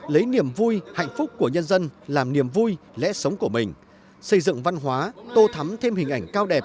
lấy niềm vui hạnh phúc của nhân dân làm niềm vui lẽ sống của mình xây dựng văn hóa tô thắm thêm hình ảnh cao đẹp